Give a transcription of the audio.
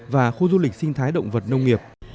và khu du lịch sinh thái động vật nông nghiệp